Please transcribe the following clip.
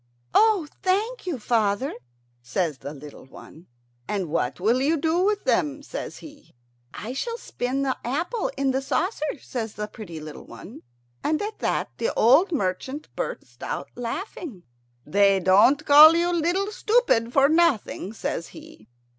"Oh, thank you, father," says the little one. "And what will you do with them?" says he. "I shall spin the apple in the saucer," says the little pretty one, and at that the old merchant burst out laughing. "They don't call you 'Little Stupid' for nothing," says he.